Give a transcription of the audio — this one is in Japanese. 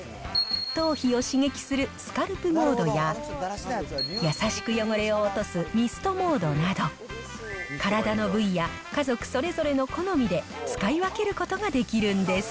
頭皮を刺激するスカルプモードや、優しく汚れを落とすミストモードなど、体の部位や家族それぞれの好みで使い分けることができるんです。